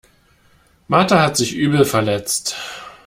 Martha hat sich übel verletzt.